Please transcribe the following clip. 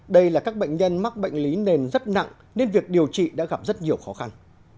đây là các bệnh nhân mắc bệnh lý nền rất nặng nên việc điều trị đã gặp rất nhiều khó khăn